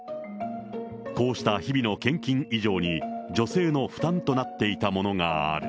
こうした日々の献金以上に女性の負担となっていたものがある。